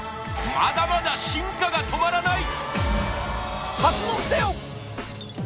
まだまだ進化が止まらない！